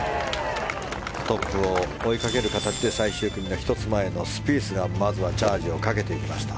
トップを追いかける形で最終組の１つ前のスピースがまずはチャージをかけてきました。